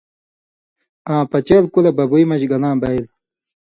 آں پچېل کُلہۡ بُبوئ مژ گلاں بئیل۔